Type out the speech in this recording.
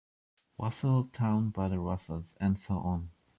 Russell town by the Russells and so on.